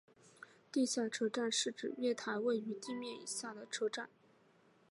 地下车站是指月台位于地面以下的车站。